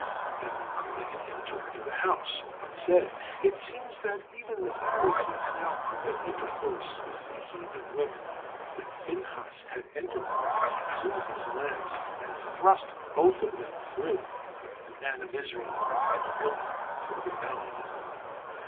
Then they permitted him to enter the house, but said, "It seems that even the Pharisees now permit intercourse with the heathen women." When Phinehas had entered, he drew his lance, "and thrust both of them through, the man of Israel, and the woman through her belly."